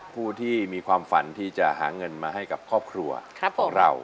ผู้ที่มีความฝันที่จะหาเงินมาให้กับครอบครัวของเรา